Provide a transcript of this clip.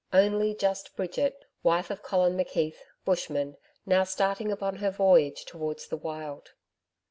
Only just Bridget, wife of Colin McKeith, Bushman, now starting upon her voyage towards the Wild.